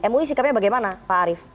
mui sikapnya bagaimana pak arief